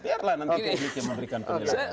biarlah nanti bikin memberikan penjelasan